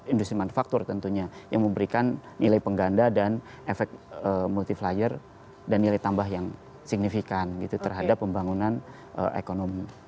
industri manufaktur tentunya yang memberikan nilai pengganda dan efek multi flyer dan nilai tambah yang signifikan gitu terhadap pembangunan ekonomi